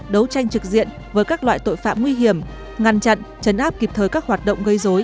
đấu tranh trực diện với các loại tội phạm nguy hiểm ngăn chặn chấn áp kịp thời các hoạt động gây dối